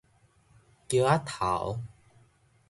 橋仔頭